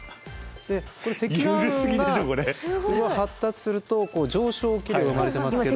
でこの積乱雲が発達すると上昇気流が生まれてますけど。